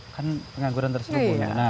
kan pengangguran terselubung